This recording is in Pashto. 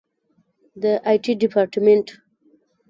د آی ټي ډیپارټمنټ